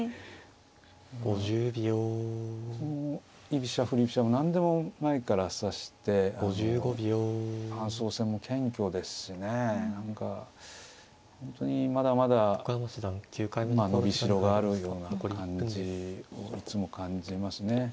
居飛車振り飛車も何でも前から指して感想戦も謙虚ですしね何か本当にまだまだ伸びしろがあるような感じをいつも感じますね。